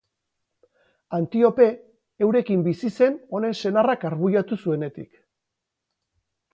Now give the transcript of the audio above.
Antiope, eurekin bizi zen honen senarrak arbuiatu zuenetik.